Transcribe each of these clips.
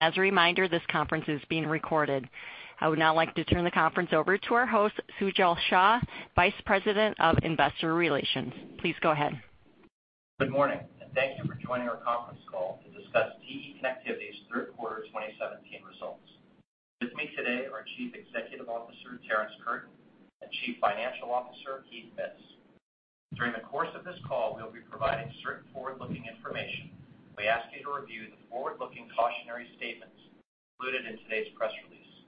As a reminder, this conference is being recorded. I would now like to turn the conference over to our host, Sujal Shah, Vice President of Investor Relations. Please go ahead. Good morning and thank you for joining our conference call to discuss TE Connectivity's Third Quarter 2017 results. With me today are Chief Executive Officer, Terrence Curtin, and Chief Financial Officer, Heath Mitts. During the course of this call, we'll be providing certain forward-looking information. We ask you to review the forward-looking cautionary statements included in today's press release.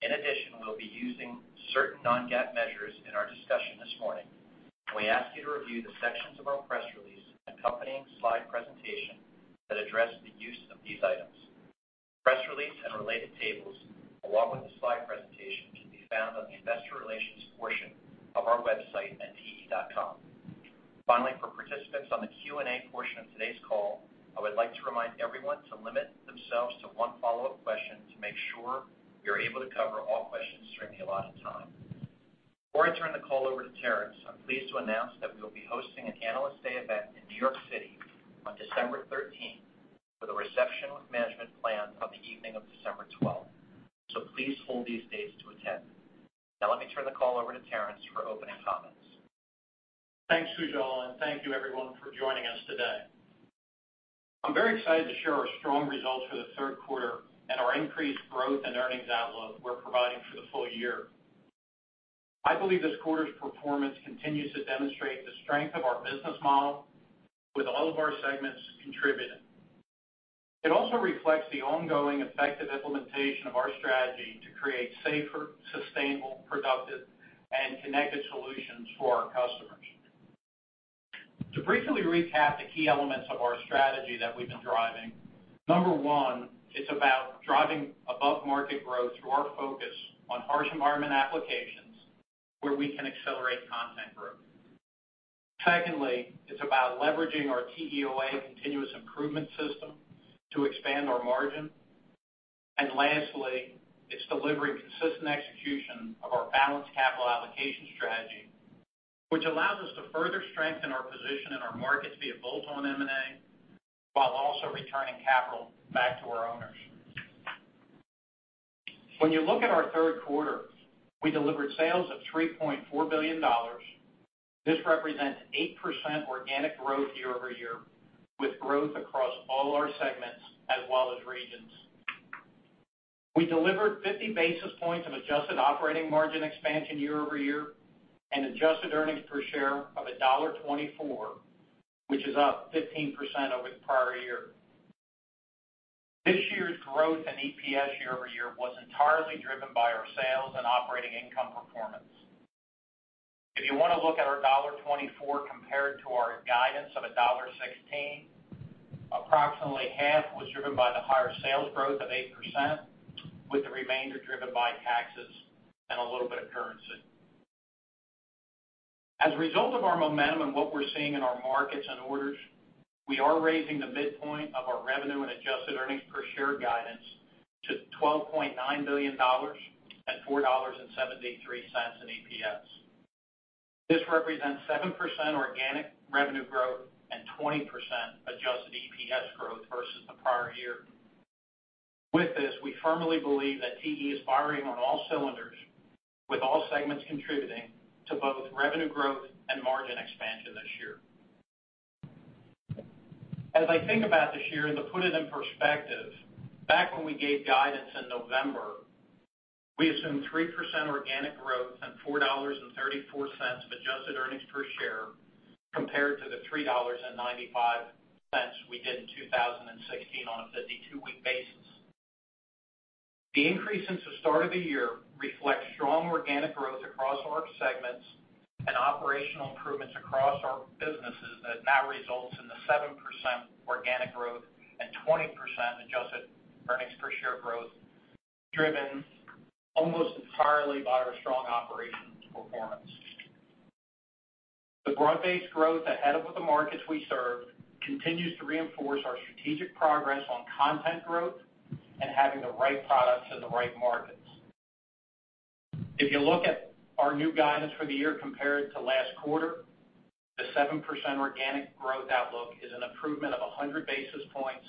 In addition, we'll be using certain non-GAAP measures in our discussion this morning. We ask you to review the sections of our press release and accompanying slide presentation that address the use of these items. Press release and related tables, along with the slide presentation, can be found on the Investor Relations portion of our website at te.com. Finally, for participants on the Q&A portion of today's call, I would like to remind everyone to limit themselves to one follow-up question to make sure we are able to cover all questions during the allotted time. Before I turn the call over to Terrence, I'm pleased to announce that we will be hosting an Analyst Day event in New York City on December thirteenth, with a reception with management planned on the evening of December twelfth. Please hold these dates to attend. Now, let me turn the call over to Terrence for opening comments. Thanks, Sujal, and thank you everyone for joining us today. I'm very excited to share our strong results for the third quarter and our increased growth and earnings outlook we're providing for the full year. I believe this quarter's performance continues to demonstrate the strength of our business model, with all of our segments contributing. It also reflects the ongoing effective implementation of our strategy to create safer, sustainable, productive, and connected solutions for our customers. To briefly recap the key elements of our strategy that we've been driving: number one, it's about driving above-market growth through our focus on harsh environment applications, where we can accelerate content growth. Secondly, it's about leveraging our TEOA continuous improvement system to expand our margin. And lastly, it's delivering consistent execution of our balanced capital allocation strategy, which allows us to further strengthen our position in our markets via bolt-on M&A, while also returning capital back to our owners. When you look at our third quarter, we delivered sales of $3.4 billion. This represents 8% organic growth year-over-year, with growth across all our segments as well as regions. We delivered 50 basis points of adjusted operating margin expansion year-over-year, and adjusted earnings per share of $1.24, which is up 15% over the prior year. This year's growth in EPS year-over-year was entirely driven by our sales and operating income performance. If you want to look at our $1.24 compared to our guidance of $1.16, approximately half was driven by the higher sales growth of 8%, with the remainder driven by taxes and a little bit of currency. As a result of our momentum and what we're seeing in our markets and orders, we are raising the midpoint of our revenue and adjusted earnings per share guidance to $12.9 billion and $4.73 in EPS. This represents 7% organic revenue growth and 20% adjusted EPS growth versus the prior year. With this, we firmly believe that TE is firing on all cylinders, with all segments contributing to both revenue growth and margin expansion this year. As I think about this year, and to put it in perspective, back when we gave guidance in November, we assumed 3% organic growth and $4.34 of adjusted earnings per share, compared to the $3.95 we did in 2016 on a 52-week basis. The increase since the start of the year reflects strong organic growth across our segments and operational improvements across our businesses that now results in the 7% organic growth and 20% adjusted earnings per share growth, driven almost entirely by our strong operations performance. The broad-based growth ahead of the markets we serve continues to reinforce our strategic progress on content growth and having the right products in the right markets. If you look at our new guidance for the year compared to last quarter, the 7% organic growth outlook is an improvement of 100 basis points,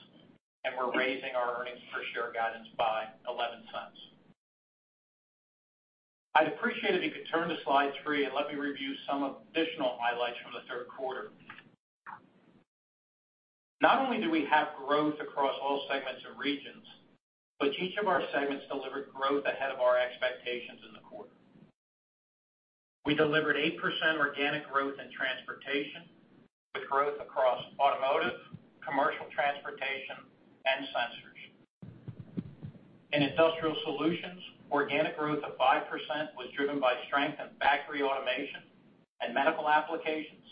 and we're raising our earnings per share guidance by $0.11. I'd appreciate it if you could turn to slide 3, and let me review some additional highlights from the third quarter. Not only do we have growth across all segments and regions, but each of our segments delivered growth ahead of our expectations in the quarter. We delivered 8% organic growth in transportation, with growth across automotive, commercial transportation, and sensors. In industrial solutions, organic growth of 5% was driven by strength in factory automation and medical applications.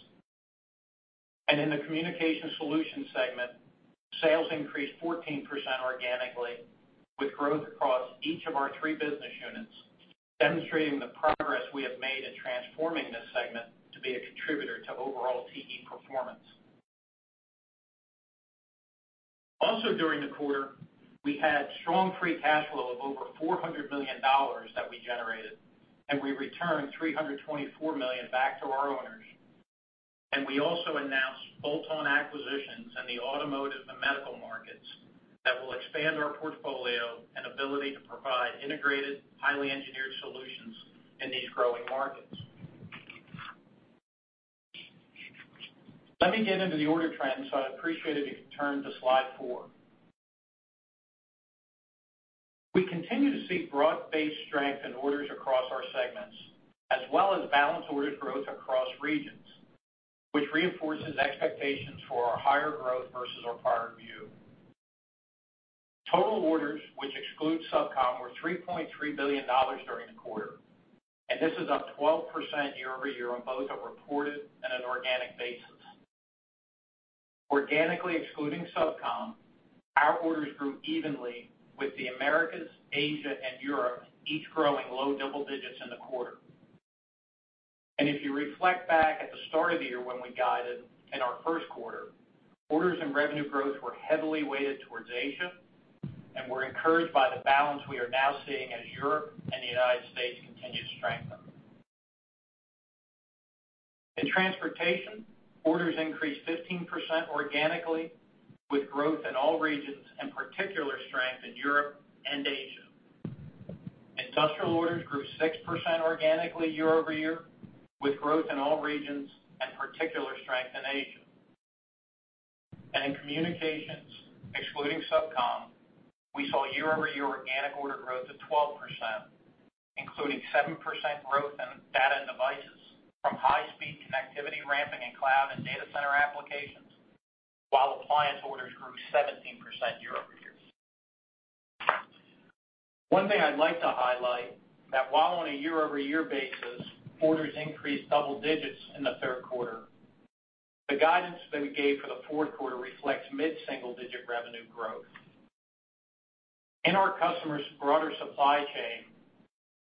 In the communication solutions segment, sales increased 14% organically, with growth across each of our three business units, demonstrating the progress we have made in transforming this segment to be a contributor to overall TE performance. Also, during the quarter, we had strong free cash flow of over $400 billion that we generated, and we returned $324 million back to our owners, and we also announced bolt-on acquisitions in the automotive and medical markets that will expand our portfolio and ability to provide integrated, highly engineered solutions in these growing markets. Let me get into the order trends, so I'd appreciate it if you turn to slide 4. We continue to see broad-based strength in orders across our segments, as well as balanced order growth across regions, which reinforces expectations for our higher growth versus our prior view. Total orders, which exclude SubCom, were $3.3 billion during the quarter, and this is up 12% year-over-year on both a reported and an organic basis. Organically excluding SubCom, our orders grew evenly with the Americas, Asia, and Europe, each growing low double digits in the quarter. And if you reflect back at the start of the year when we guided in our first quarter, orders and revenue growth were heavily weighted towards Asia, and we're encouraged by the balance we are now seeing as Europe and the United States continue to strengthen. In transportation, orders increased 15% organically, with growth in all regions, and particular strength in Europe and Asia. Industrial orders grew 6% organically year-over-year, with growth in all regions and particular strength in Asia. And in communications, excluding SubCom, we saw year-over-year organic order growth of 12%, including 7% growth in data and devices from high-speed connectivity ramping in cloud and data center applications, while appliance orders grew 17% year over year. One thing I'd like to highlight, that while on a year-over-year basis, orders increased double digits in the third quarter, the guidance that we gave for the fourth quarter reflects mid-single digit revenue growth. In our customers' broader supply chain,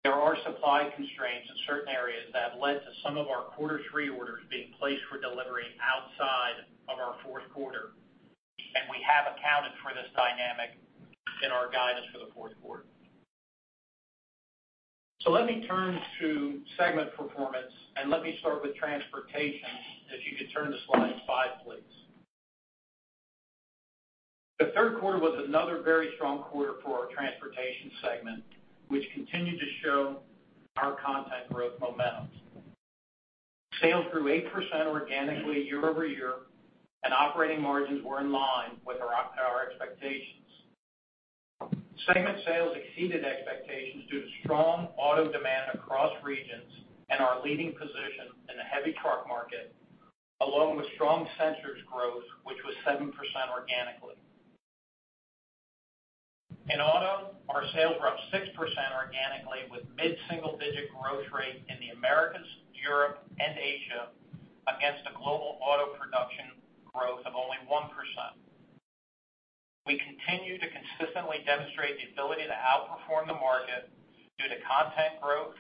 there are supply constraints in certain areas that have led to some of our quarter three orders being placed for delivery outside of our fourth quarter, and we have accounted for this dynamic in our guidance for the fourth quarter. So let me turn to segment performance, and let me start with transportation, if you could turn to slide 5, please. The third quarter was another very strong quarter for our transportation segment, which continued to show our content growth momentum. Sales grew 8% organically year-over-year, and operating margins were in line with our expectations. Segment sales exceeded expectations due to strong auto demand across regions and our leading position in the heavy truck market, along with strong sensors growth, which was 7% organically. In auto, our sales were up 6% organically, with mid-single digit growth rate in the Americas, Europe, and Asia, against a global auto production growth of only 1%. We continue to consistently demonstrate the ability to outperform the market due to content growth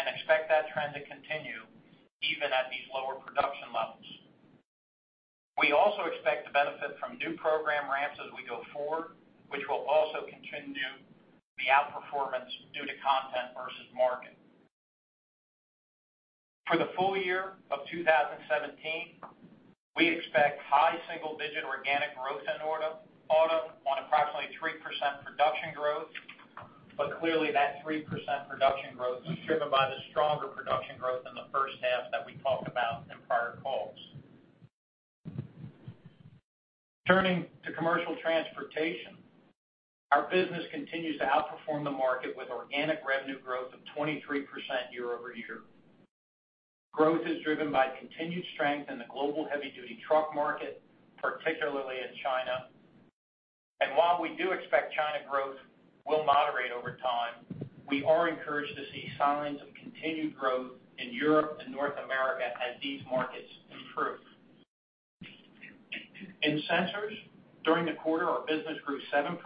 and expect that trend to continue even at these lower production levels. We also expect to benefit from new program ramps as we go forward, which will also continue the outperform its due to content versus market. For the full year of 2017, we expect high single-digit organic growth in auto, auto on approximately 3% production growth, but clearly that 3% production growth is driven by the stronger production growth in the first half that we talked about in prior calls. Turning to commercial transportation, our business continues to outperform the market with organic revenue growth of 23% year-over-year. Growth is driven by continued strength in the global heavy-duty truck market, particularly in China. While we do expect China growth will moderate over time, we are encouraged to see signs of continued growth in Europe and North America as these markets improve. In Sensors, during the quarter, our business grew 7%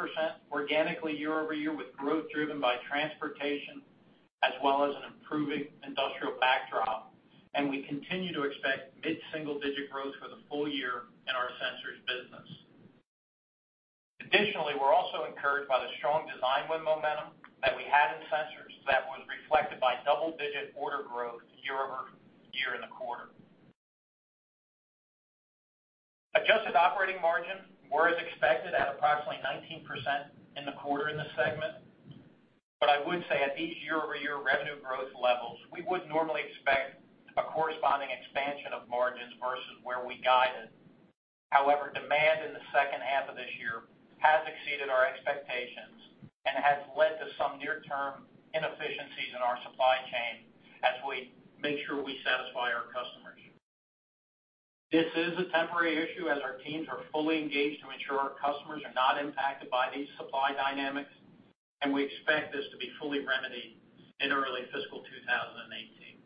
organically year-over-year, with growth driven by transportation, as well as an improving industrial backdrop, and we continue to expect mid-single digit growth for the full year in our Sensors business. Additionally, we're also encouraged by the strong design win momentum that we had in Sensors that was reflected by double-digit order growth year-over-year in the quarter. Adjusted operating margin were as expected at approximately 19% in the quarter in this segment, but I would say at these year-over-year revenue growth levels, we would normally expect a corresponding expansion of margins versus where we guided. However, demand in the second half of this year has exceeded our expectations and has led to some near-term inefficiencies in our supply chain as we make sure we satisfy our customers. This is a temporary issue as our teams are fully engaged to ensure our customers are not impacted by these supply dynamics, and we expect this to be fully remedied in early fiscal 2018.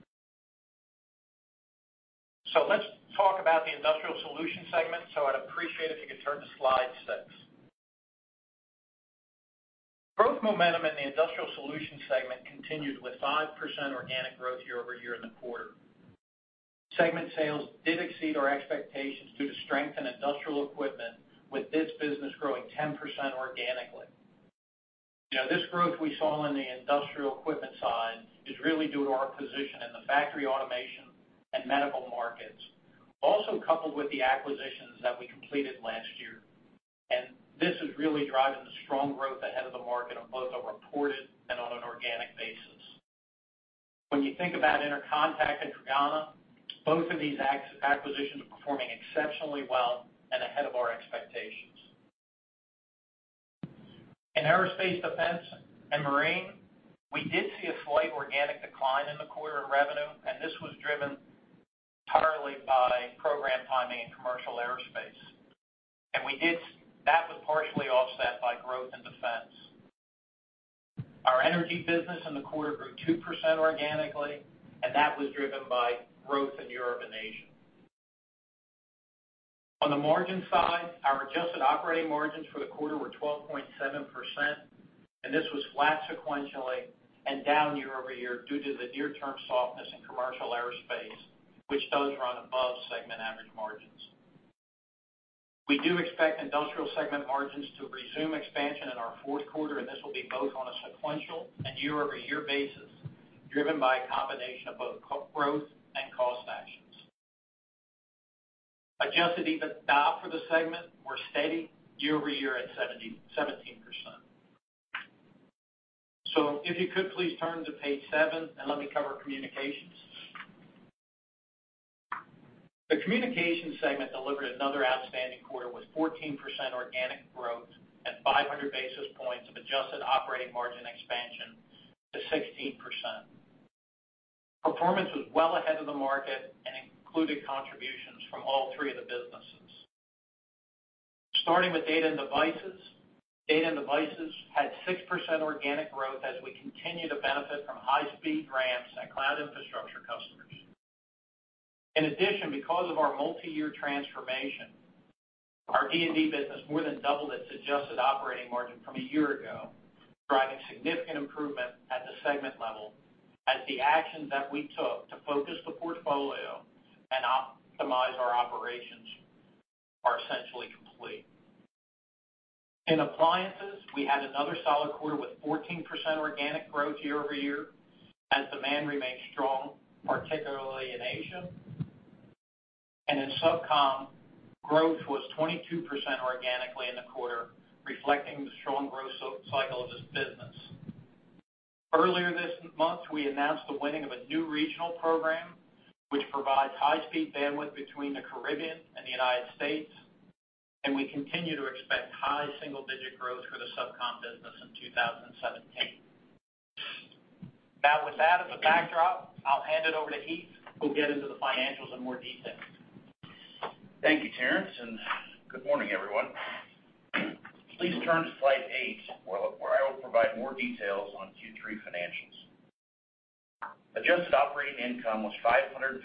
So let's talk about the industrial solutions segment, so I'd appreciate if you could turn to slide 6. Growth momentum in the industrial solutions segment continued with 5% organic growth year-over-year in the quarter. Segment sales did exceed our expectations due to strength in industrial equipment, with this business growing 10% organically. Yeah, this growth we saw on the industrial equipment side is really due to our position in the factory automation and medical markets, also coupled with the acquisitions that we completed last year. And this is really driving the strong growth ahead of the market on both a reported and on an organic basis. When you think about Intercontec and Creganna, both of these acquisitions are performing exceptionally well and ahead of our expectations. In aerospace, defense, and marine, we did see a slight organic decline in the quarter in revenue, and this was driven entirely by program timing in commercial aerospace. That was partially offset by growth in defense. Our energy business in the quarter grew 2% organically, and that was driven by growth in Europe and Asia. On the margin side, our adjusted operating margins for the quarter were 12.7%, and this was flat sequentially and down year-over-year due to the near-term softness in commercial aerospace, which does run above segment average margins. We do expect industrial segment margins to resume expansion in our fourth quarter, and this will be both on a sequential and year-over-year basis, driven by a combination of both core growth and cost actions. Adjusted EBITDA for the segment were steady year-over-year at 71.7%. So if you could please turn to page 7, and let me cover communications. The communications segment delivered another outstanding quarter with 14% organic growth and 500 basis points of adjusted operating margin expansion to 16%. Performance was well ahead of the market and included contributions from all three of the businesses. Starting with data and devices, data and devices had 6% organic growth as we continue to benefit from high-speed ramps and cloud infrastructure customers. In addition, because of our multiyear transformation, our D&D business more than doubled its adjusted operating margin from a year ago, driving significant improvement at the segment level as the actions that we took to focus the portfolio and optimize our operations are essentially complete. In appliances, we had another solid quarter with 14% organic growth year-over-year, as demand remains strong, particularly in Asia. And in SubCom, growth was 22% organically in the quarter, reflecting the strong growth cycle of this business. Earlier this month, we announced the winning of a new regional program, which provides high-speed bandwidth between the Caribbean and the United States, and we continue to expect high single-digit growth for the SubCom business in 2017. Now, with that as a backdrop, I'll hand it over to Heath, who'll get into the financials in more detail. Thank you, Terrence, and good morning, everyone. Please turn to slide eight, where I will provide more details on Q3 financials. Adjusted operating income was $559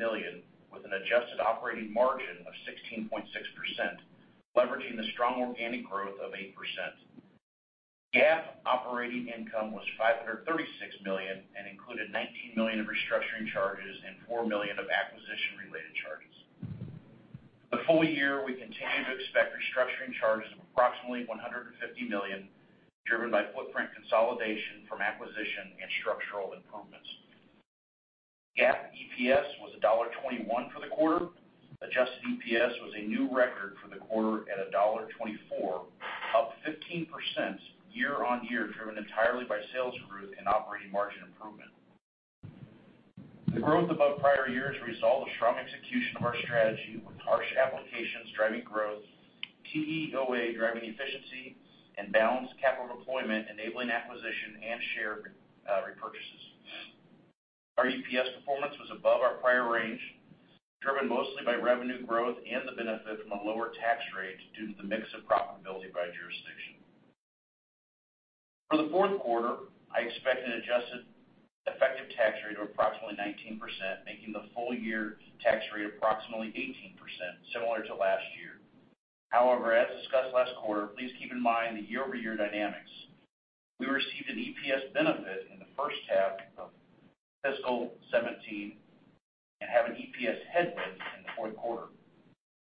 million, with an adjusted operating margin of 16.6%, leveraging the strong organic growth of 8%. GAAP operating income was $536 million and included $19 million of restructuring charges and $4 million of acquisition-related charges. The full year, we continue to expect restructuring charges of approximately $150 million, driven by footprint consolidation from acquisition and structural improvements. GAAP EPS was $1.21 for the quarter. Adjusted EPS was a new record for the quarter at $1.24, up 15% year-over-year, driven entirely by sales growth and operating margin improvement. The growth above prior year is a result of strong execution of our strategy, with harsh applications driving growth, TEOA driving efficiency, and balanced capital deployment enabling acquisition and share repurchases. Our EPS performance was above our prior range, driven mostly by revenue growth and the benefit from a lower tax rate due to the mix of profitability by jurisdiction. For the fourth quarter, I expect an adjusted effective tax rate of approximately 19%, making the full year tax rate approximately 18%, similar to last year. However, as discussed last quarter, please keep in mind the year-over-year dynamics. We received an EPS benefit in the first half of fiscal 2017 and have an EPS headwind in the fourth quarter.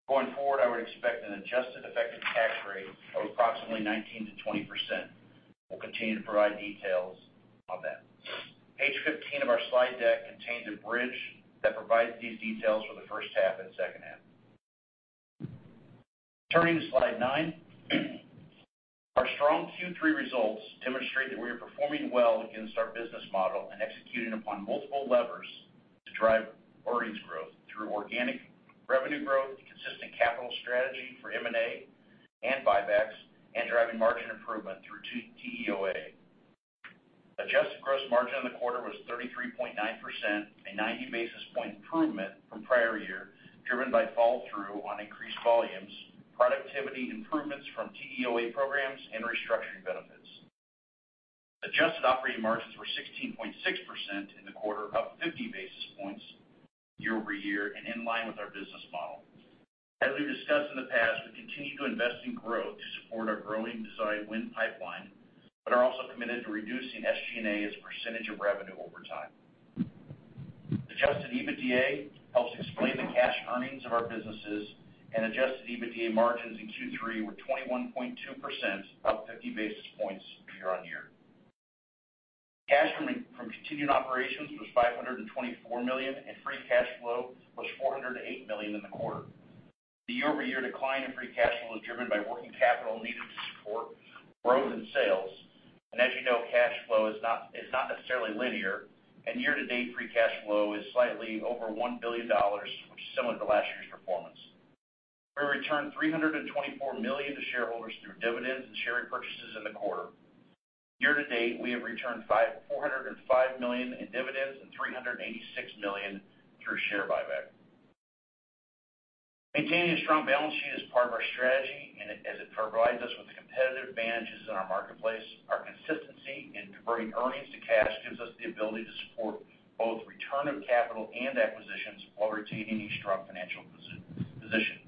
Going forward, I would expect an adjusted effective tax rate of approximately 19%-20%. We'll continue to provide details on that. Page 15 of our slide deck contains a bridge that provides these details for the first half and second half. Turning to slide 9, our strong Q3 results demonstrate that we are performing well against our business model and executing upon multiple levers to drive earnings growth through organic revenue growth, the consistent capital strategy for M&A and buybacks, and driving margin improvement through TEOA. Adjusted gross margin in the quarter was 33.9%, a 90 basis points improvement from prior year, driven by fall through on increased volumes, productivity improvements from TEOA programs, and restructuring benefits. Adjusted operating margins were 16.6% in the quarter, up 50 basis points year-over-year and in line with our business model. As we've discussed in the past, we continue to invest in growth to support our growing design win pipeline, but are also committed to reducing SG&A as a percentage of revenue over time. Adjusted EBITDA helps explain the cash earnings of our businesses, and adjusted EBITDA margins in Q3 were 21.2%, up 50 basis points year-on-year. Cash from continuing operations was $524 million, and free cash flow was $408 million in the quarter. The year-over-year decline in free cash flow is driven by working capital needed to support growth in sales. And as you know, cash flow is not necessarily linear, and year-to-date, free cash flow is slightly over $1 billion, which is similar to last year's performance. We returned $324 million to shareholders through dividends and share repurchases in the quarter. Year-to-date, we have returned $405 million in dividends and $386 million through share buyback. Maintaining a strong balance sheet is part of our strategy, and as it provides us with competitive advantages in our marketplace. Our consistency in converting earnings to cash gives us the ability to support both return of capital and acquisitions while retaining a strong financial position.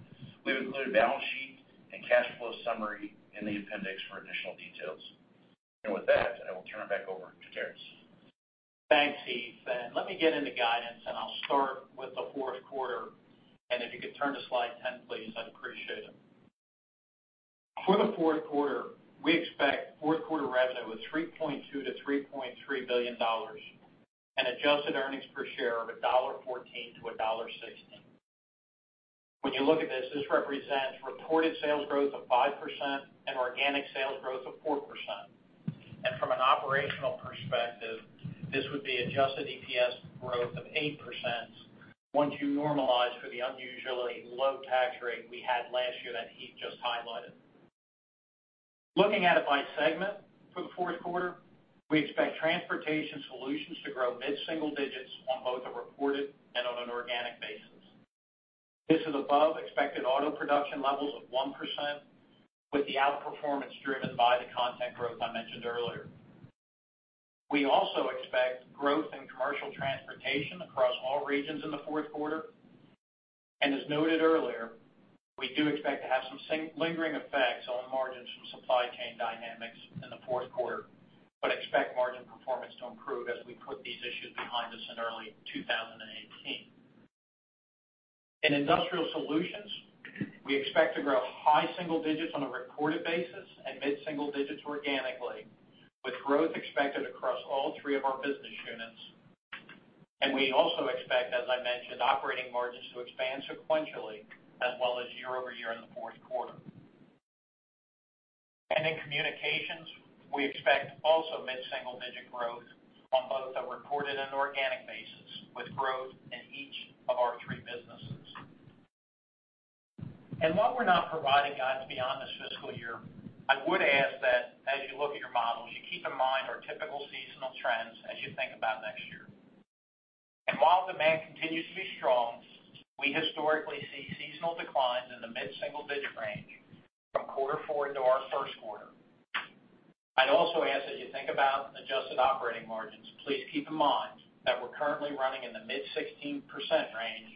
We've included a balance sheet and cash flow summary in the appendix for additional details. And with that, I will turn it back over to Terrence. Thanks, Heath. And let me get into guidance, and I'll start with the fourth quarter. And if you could turn to Slide 10, please, I'd appreciate it. For the fourth quarter, we expect fourth quarter revenue of $3.2 billion-$3.3 billion, and adjusted earnings per share of $1.14-$1.16. When you look at this, this represents reported sales growth of 5% and organic sales growth of 4%. From an operational perspective, this would be adjusted EPS growth of 8%, once you normalize for the unusually low tax rate we had last year that Heath just highlighted. Looking at it by segment for the fourth quarter, we expect Transportation Solutions to grow mid-single digits on both a reported and on an organic basis. This is above expected auto production levels of 1%, with the outperformance driven by the content growth I mentioned earlier. We also expect growth in Commercial Transportation across all regions in the fourth quarter, and as noted earlier, we do expect to have some lingering effects on margins from supply chain dynamics in the fourth quarter, but expect margin performance to improve as we put these issues behind us in early 2018. In Industrial Solutions, we expect to grow high single digits on a reported basis and mid-single digits organically, with growth expected across all three of our business units. We also expect, as I mentioned, operating margins to expand sequentially as well as year-over-year in the fourth quarter. In Communications, we expect also mid-single-digit growth on both a reported and organic basis, with growth in each of our three businesses. And while we're not providing guidance beyond this fiscal year, I would ask that as you look at your models, you keep in mind our typical seasonal trends as you think about next year. And while demand continues to be strong, we historically see seasonal declines in the mid-single-digit range from quarter four into our first quarter. I'd also ask that you think about adjusted operating margins. Please keep in mind that we're currently running in the mid-16% range,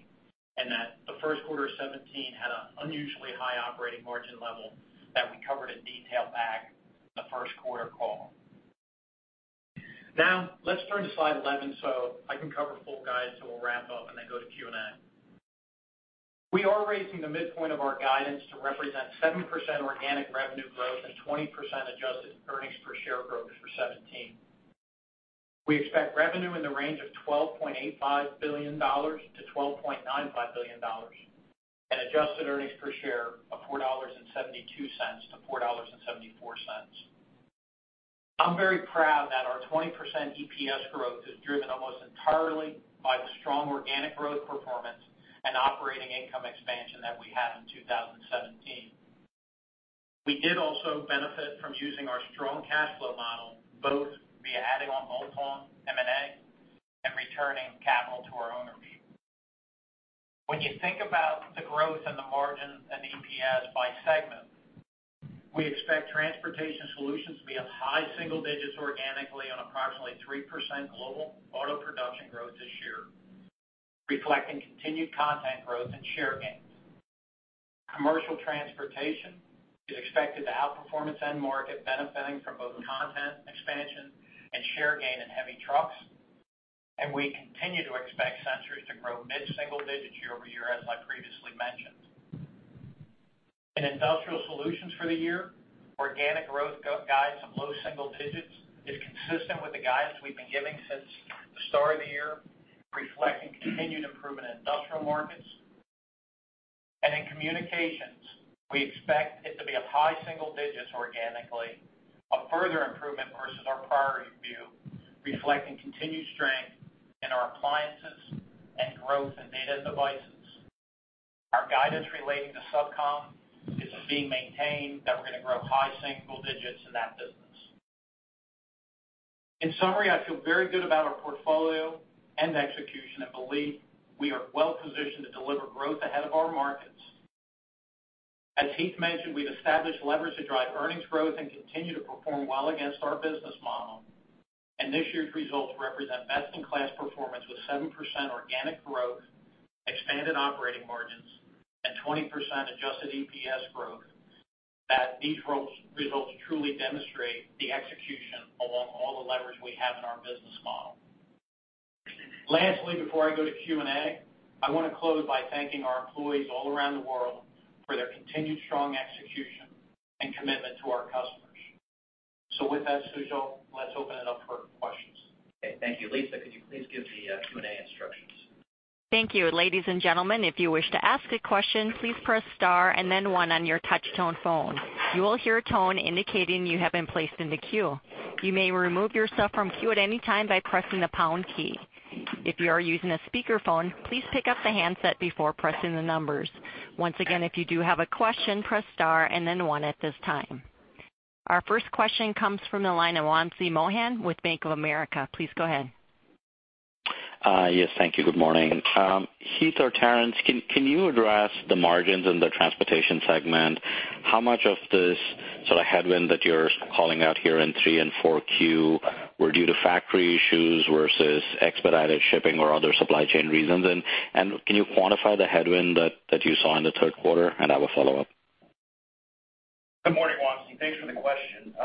and that the first quarter of 2017 had an unusually high operating margin level that we covered in detail back in the first quarter call. Now, let's turn to Slide 11, so I can cover full guide, so we'll wrap up and then go to Q&A. We are raising the midpoint of our guidance to represent 7% organic revenue growth and 20% adjusted earnings per share growth for 2017. We expect revenue in the range of $12.85 billion-$12.95 billion, and adjusted earnings per share of $4.72-$4.74. I'm very proud that our 20% EPS growth is driven almost entirely by the strong organic growth performance and operating income expansion that we have in 2017. We did also benefit from using our strong cash flow model, both via adding on multiple M&A and returning capital to our owners via buyback. When you think about the growth in the margin and EPS by segment, we expect Transportation Solutions to be of high single digits organically on approximately 3% global auto production growth this year, reflecting continued content growth and share gains. Commercial Transportation is expected to outperformance end market, benefiting from both content expansion and share gain in heavy trucks, and we continue to expect Sensors to grow mid-single digits year-over-year, as I previously mentioned. In Industrial Solutions for the year, organic growth guidance low single digits is consistent with the guidance we've been giving since the start of the year, reflecting continued improvement in industrial markets. In Communications, we expect it to be of high single digits organically, a further improvement versus our priority view, reflecting continued strength in our appliances and growth in data devices. Our guidance relating to SubCom is being maintained, that we're gonna grow high single digits in that business. In summary, I feel very good about our portfolio and execution, and believe we are well positioned to deliver growth ahead of our markets. As Heath mentioned, we've established leverage to drive earnings growth and continue to perform well against our business model. This year's results represent best-in-class performance with 7% organic growth, expanded operating margins, and 20% adjusted EPS growth.... that these results truly demonstrate the execution along all the levers we have in our business model. Lastly, before I go to Q&A, I want to close by thanking our employees all around the world for their continued strong execution and commitment to our customers. So with that, Sujal, let's open it up for questions. Okay, thank you. Lisa, could you please give the Q&A instructions? Thank you. Ladies and gentlemen, if you wish to ask a question, please press star and then one on your touch tone phone. You will hear a tone indicating you have been placed in the queue. You may remove yourself from queue at any time by pressing the pound key. If you are using a speakerphone, please pick up the handset before pressing the numbers. Once again, if you do have a question, press star and then one at this time. Our first question comes from the line of Vamsi Mohan with Bank of America. Please go ahead. Yes, thank you. Good morning. Heath or Terrence, can you address the margins in the transportation segment? How much of this sort of headwind that you're calling out here in Q3 and Q4 were due to factory issues versus expedited shipping or other supply chain reasons? And can you quantify the headwind that you saw in the third quarter? And I have a follow-up. Good morning, Vamsi. Thanks for the question.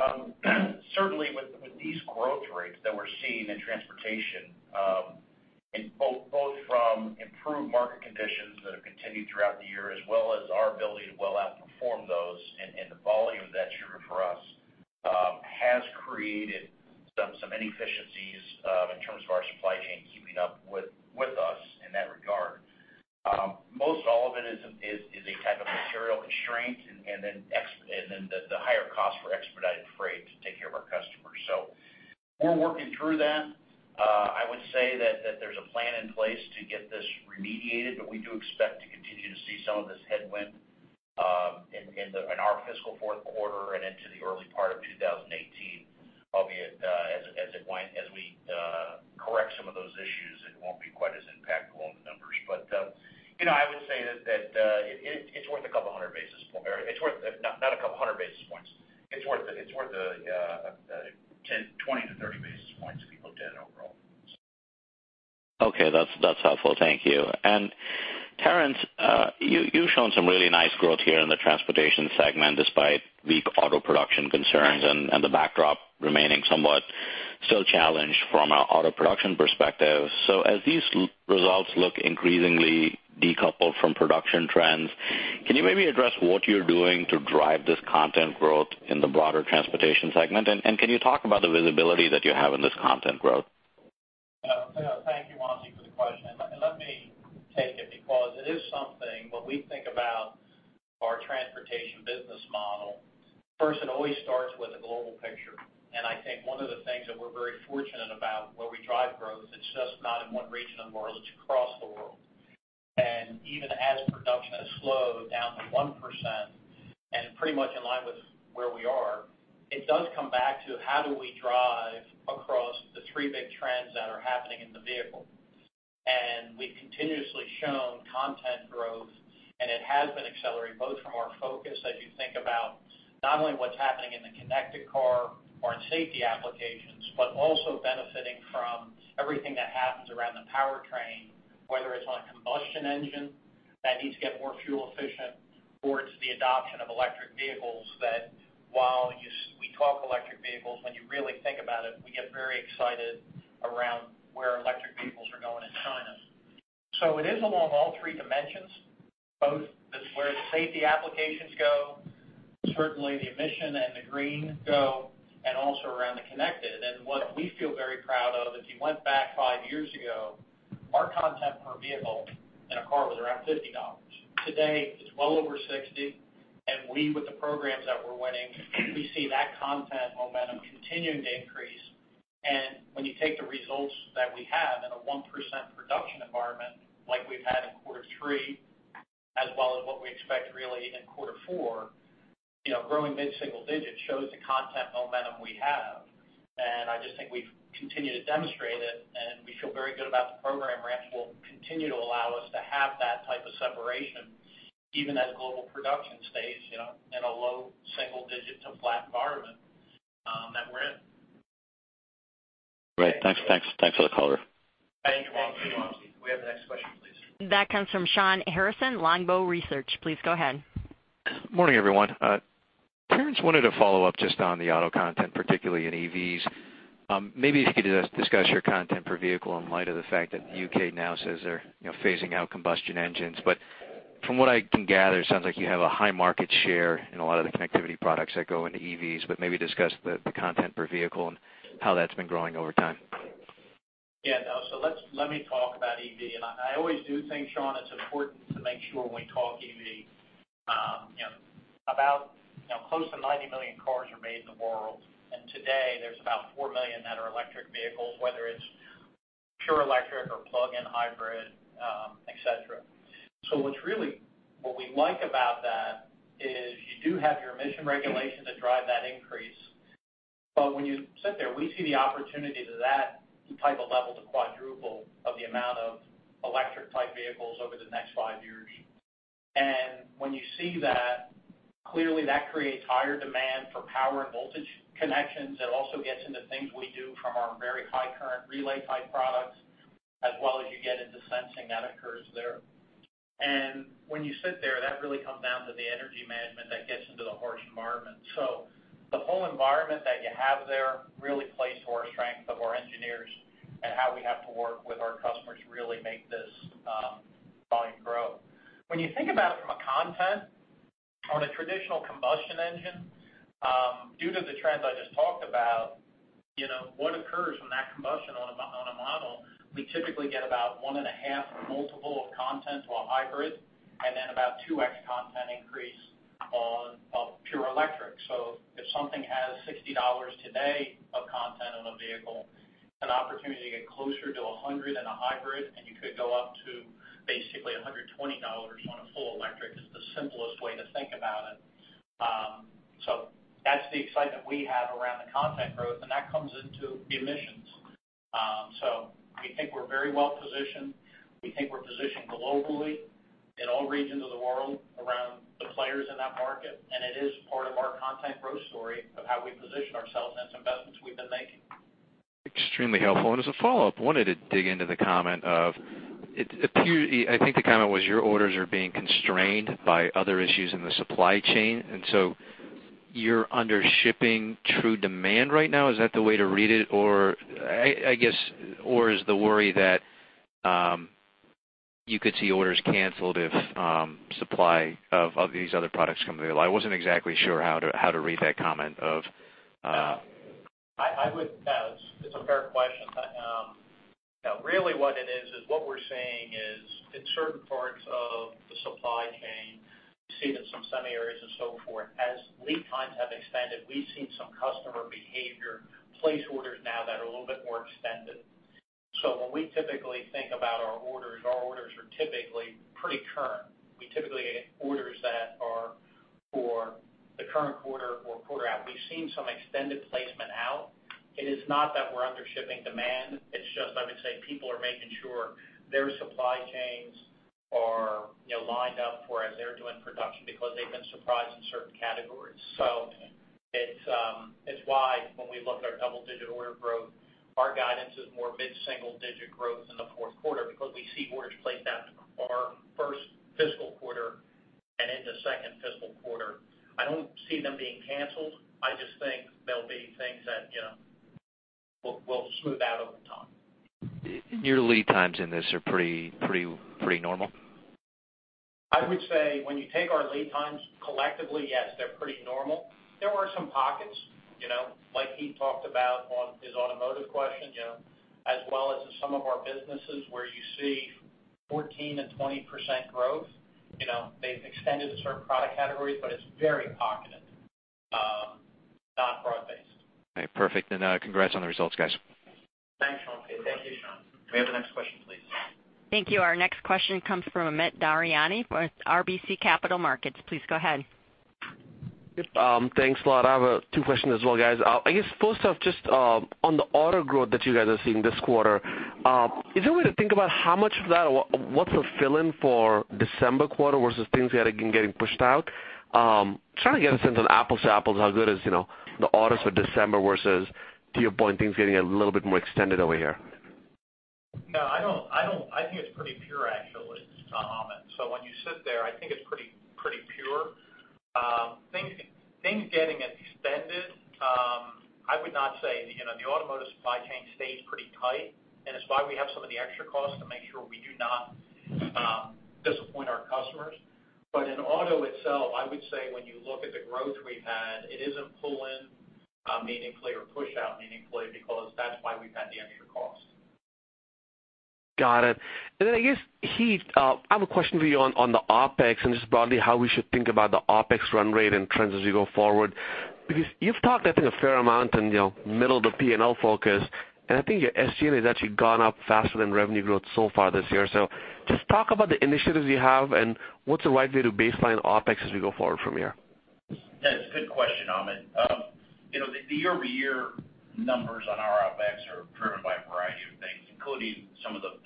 Certainly with these growth rates that we're seeing in transportation, in both from improved market conditions that have continued throughout the year, as well as our ability to well outperform those and the volume of that year for us, has created some inefficiencies, in terms of our supply chain keeping up with us in that regard. Most all of it is a type of material constraint and then the higher cost for expedited freight to take care of our customers. So we're working through that. I would say that there's a plan in place to get this remediated, but we do expect to continue to see some of this headwind in our fiscal fourth quarter and into the early part of 2018. Albeit, as we correct some of those issues, it won't be quite as impactful on the numbers. But you know, I would say that it's worth a couple of hundred basis points, or it's worth, not a couple hundred basis points. It's worth 10-30 basis points, if you looked at it overall. Okay, that's helpful. Thank you. And Terrence, you've shown some really nice growth here in the transportation segment, despite weak auto production concerns and the backdrop remaining somewhat still challenged from an auto production perspective. So as these results look increasingly decoupled from production trends, can you maybe address what you're doing to drive this content growth in the broader transportation segment? And can you talk about the visibility that you have in this content growth? Thank you, Vamsi, for the question. Let me take it because it is something, when we think about our transportation business model, first, it always starts with a global picture. And I think one of the things that we're very fortunate about, where we drive growth, it's just not in one region of the world, it's across the world. And even as production has slowed down to 1% and pretty much in line with where we are, it does come back to how do we drive across the three big trends that are happening in the vehicle? And we've continuously shown content growth, and it has been accelerating both from our focus, as you think about not only what's happening in the connected car or in safety applications, but also benefiting from everything that happens around the powertrain, whether it's on a combustion engine that needs to get more fuel efficient or it's the adoption of electric vehicles, that while we talk electric vehicles, when you really think about it, we get very excited around where electric vehicles are going in China. So it is along all three dimensions, both where the safety applications go, certainly the emission and the green go, and also around the connected. And what we feel very proud of, if you went back 5 years ago, our content per vehicle in a car was around $50. Today, it's well over 60, and we, with the programs that we're winning, we see that content momentum continuing to increase. And when you take the results that we have in a 1% production environment, like we've had in quarter three, as well as what we expect really in quarter four, you know, growing mid-single digits shows the content momentum we have. And I just think we've continued to demonstrate it, and we feel very good about the program ramps will continue to allow us to have that type of separation, even as global production stays, you know, in a low single digit to flat environment, that we're in. Great. Thanks. Thanks, thanks for the color. Thank you, Vamsi. Can we have the next question, please? That comes from Shawn Harrison, Longbow Research. Please go ahead. Morning, everyone. Terrence, wanted to follow up just on the auto content, particularly in EVs. Maybe if you could just discuss your content per vehicle in light of the fact that the U.K. now says they're, you know, phasing out combustion engines. But from what I can gather, it sounds like you have a high market share in a lot of the connectivity products that go into EVs, but maybe discuss the, the content per vehicle and how that's been growing over time. Yeah, no, so let me talk about EV, and I always do think, Shawn, it's important to make sure when we talk EV, you know, about, you know, close to 90 million cars are made in the world, and today there's about 4 million that are electric vehicles, whether it's pure electric or plug-in hybrid, et cetera. So what's really, what we like about that is you do have your emission regulations that drive that increase, but when you sit there, we see the opportunity to that type of level to quadruple of the amount of electric-type vehicles over the next 5 years. And when you see that, clearly that creates higher demand for power and voltage connections. It also gets into things we do from our very high current relay-type products... as well as you get into sensing, that occurs there. And when you sit there, that really comes down to the energy management that gets into the harsh environment. So the whole environment that you have there really plays to our strength of our engineers and how we have to work with our customers to really make this volume grow. When you think about it from a content, on a traditional combustion engine, due to the trends I just talked about, you know, what occurs from that combustion on a model, we typically get about 1.5 multiple of content to a hybrid, and then about 2x content increase on pure electric. So if something has $60 today of content on a vehicle, an opportunity to get closer to $100 in a hybrid, and you could go up to basically $120 on a full electric, is the simplest way to think about it. So that's the excitement we have around the content growth, and that comes into the emissions. So we think we're very well positioned. We think we're positioned globally in all regions of the world around the players in that market, and it is part of our content growth story of how we position ourselves and some investments we've been making. Extremely helpful. As a follow-up, wanted to dig into the comment of... It appears I think the comment was, your orders are being constrained by other issues in the supply chain, and so you're under shipping true demand right now. Is that the way to read it? Or I guess, or is the worry that you could see orders canceled if supply of these other products come available? I wasn't exactly sure how to, how to read that comment of I would... Yeah, it's a fair question. Yeah, really what it is, is what we're seeing is in certain parts of the supply chain, you see it in some semi areas and so forth, as lead times have expanded, we've seen some customer behavior place orders now that are a little bit more extended. So when we typically think about our orders, our orders are typically pretty current. We typically get orders that are for the current quarter or quarter out. We've seen some extended placement out. It is not that we're under shipping demand. It's just, I would say, people are making sure their supply chains are, you know, lined up for as they're doing production, because they've been surprised in certain categories. So it's why when we look at our double-digit order growth, our guidance is more mid-single-digit growth in the fourth quarter, because we see orders placed out our first fiscal quarter and into second fiscal quarter. I don't see them being canceled. I just think they'll be things that, you know, will smooth out over time. Your lead times in this are pretty, pretty, pretty normal? I would say, when you take our lead times collectively, yes, they're pretty normal. There are some pockets, you know, like Heath talked about on his automotive question, you know, as well as some of our businesses, where you see 14% and 20% growth. You know, they've extended to certain product categories, but it's very pocketed, not broad-based. Okay, perfect. And, congrats on the results, guys. Thanks, Shawn. Thank you, Shawn. Can we have the next question, please? Thank you. Our next question comes from Amit Daryanani with RBC Capital Markets. Please go ahead. Yep, thanks a lot. I have two questions as well, guys. I guess first off, just on the order growth that you guys are seeing this quarter, is there a way to think about how much of that or what's the fill-in for December quarter versus things that are getting pushed out? Trying to get a sense on apples to apples, how good is, you know, the orders for December versus, to your point, things getting a little bit more extended over here? No, I don't, I don't—I think it's pretty pure, actually, Amit. So when you sit there, I think it's pretty, pretty pure. Things, things getting extended, I would not say, you know, the automotive supply chain stays pretty tight, and it's why we have some of the extra costs to make sure we do not disappoint our customers. But in auto itself, I would say when you look at the growth we've had, it isn't pull in meaningfully or push out meaningfully, because that's why we've had the extra costs. Got it. And then I guess, Heath, I have a question for you on, on the OpEx, and just broadly, how we should think about the OpEx run rate and trends as we go forward. Because you've talked, I think, a fair amount on, you know, middle of the P&L focus, and I think your SG&A has actually gone up faster than revenue growth so far this year. So just talk about the initiatives you have and what's the right way to baseline OpEx as we go forward from here? Yeah, it's a good question, Amit. You know, the year-over-year numbers on our OpEx are driven by a variety of things, including some of the,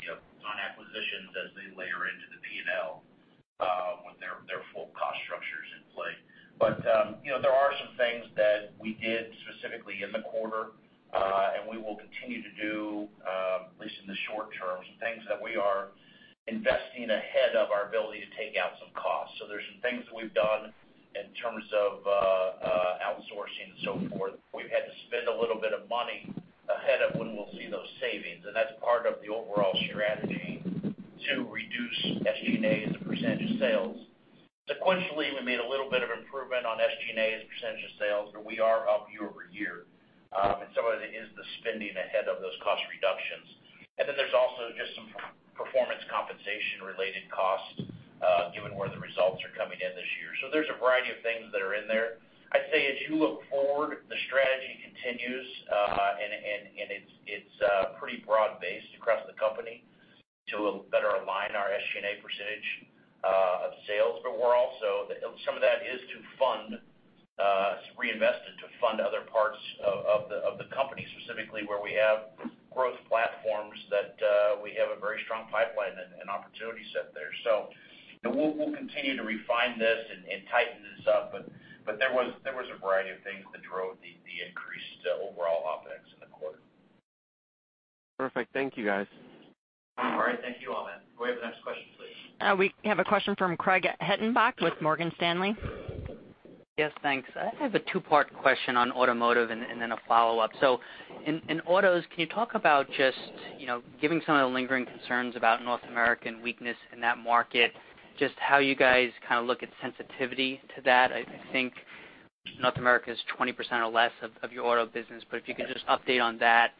you know, non-acquisitions as they layer into the P&L with their full cost structures in play. But, you know, there are some things that we did specifically in the quarter and we will continue to do, at least in the short term, some things that we are investing ahead of our ability to take out some costs. So there's some things that we've done in terms of outsourcing and so forth. We've had to spend a little bit of money ahead of when we'll see those savings, and that's part of the overall strategy to reduce SG&A as a percentage of sales. Sequentially, we made a little bit of improvement on SG&A as a percentage of sales, but we are up year over year. And some of it is the spending ahead of those cost reductions. And then there's also just some performance compensation related costs, given where the results are coming in this year. So there's a variety of things that are in there. I'd say as you look forward, the strategy continues, and it's pretty broad-based across the company to better align our SG&A percentage of sales. But we're also. Some of that is to fund, reinvest it, to fund other parts of the company, specifically where we have growth platforms that we have a very strong pipeline and opportunity set there. So, we'll continue to refine this and tighten this up, but there was a variety of things that drove the increase in the overall OpEx in the quarter. Perfect. Thank you, guys. All right. Thank you, Amit. Go ahead, the next question, please. We have a question from Craig Hettenbach with Morgan Stanley. Yes, thanks. I have a two-part question on automotive and then a follow-up. So in autos, can you talk about just, you know, giving some of the lingering concerns about North American weakness in that market, just how you guys kind of look at sensitivity to that? I think North America is 20% or less of your auto business, but if you could just update on that.